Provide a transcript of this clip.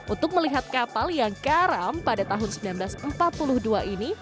untuk melihat kapal yang karam pada tahun seribu sembilan ratus empat puluh dua ini